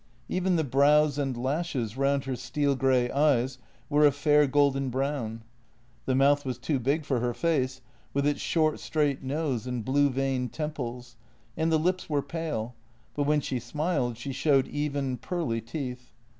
Even the brows and lashes round her steel grey eyes were a fair, golden brown. The mouth was too big for her face, with its short, straight nose and blue veined temples, and the lips were pale, but when she smiled, she showed even, pearly teeth.